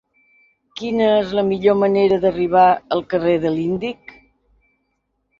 Quina és la millor manera d'arribar al carrer de l'Índic?